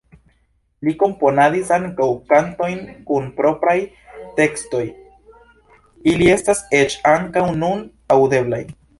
Li komponadis ankaŭ kantojn kun propraj tekstoj, ili estas eĉ ankaŭ nun aŭdeblaj.